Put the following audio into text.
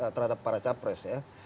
terhadap para capres ya